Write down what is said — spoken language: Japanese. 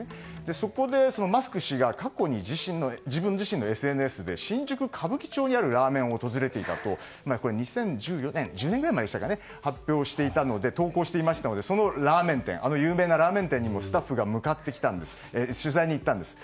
そこで、マスク氏が過去に自分自身のＳＮＳで新宿・歌舞伎町にあるラーメン屋に訪れていたと２０１４年、１０年ぐらい前に投稿していましたのであの有名なラーメン店にスタッフが取材に行ったんです。